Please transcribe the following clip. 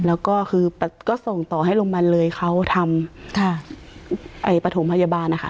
แล้วก็คือก็ส่งต่อให้โรงพยาบาลเลยเขาทำประถมพยาบาลนะคะ